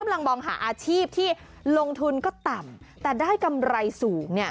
มองหาอาชีพที่ลงทุนก็ต่ำแต่ได้กำไรสูงเนี่ย